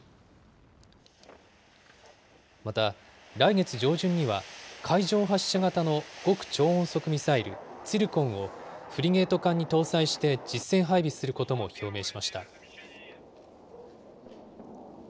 また、来月上旬には海上発射型の極超音速ミサイル、ツィルコンを、フリゲート艦に搭載して実戦配備することも表明しました。